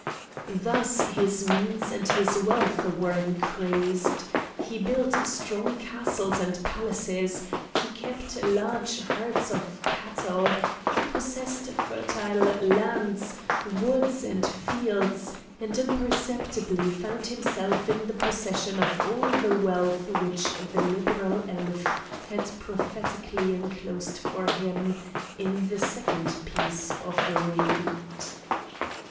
Thus his means and his wealth were increased; he built strong castles and palaces, he kept large herds of cattle, he possessed fertile lands, woods, and fields, and imperceptibly found himself in the possession of all the wealth which the liberal elf had prophetically enclosed for him, in the second piece of reed.